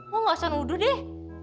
lo nggak usah nuduh deh